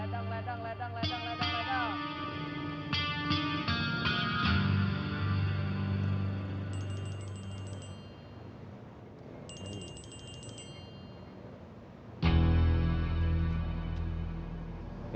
ledang ledang ledang ledang ledang